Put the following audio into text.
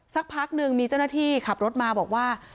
สักพักหนึ่งมีเจ้าหน้าที่ขับรถมาบอกว่า